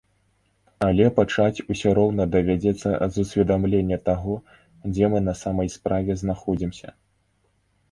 Але пачаць усё роўна давядзецца з усведамлення таго, дзе мы на самай справе знаходзімся.